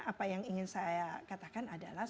apa yang ingin saya katakan adalah